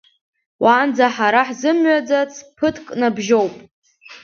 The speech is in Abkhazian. Уаанӡа ҳара ҳзымҩаӡац ԥыҭк набжьоуп.